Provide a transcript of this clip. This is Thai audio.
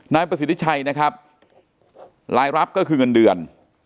นายประสิทธิชัยนะครับรายรับก็คือเงินเดือน